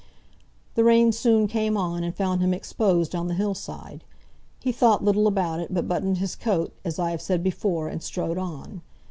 The rain soon came on, and found him exposed on the hill side. He thought little about it, but buttoned his coat, as I have said before, and strode on.